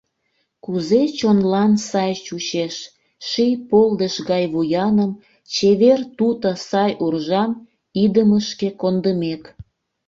Кузе чонлан сай чучеш, Ший полдыш гай вуяным, Чевер туто сай уржам Идымышке кондымек!